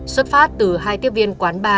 xuất phát từ hai tiếp viên quán bà